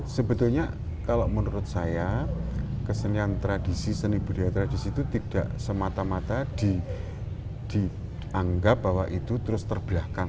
sebetulnya kalau menurut saya kesenian tradisi seni budaya tradisi itu tidak semata mata dianggap bahwa itu terus terbelakang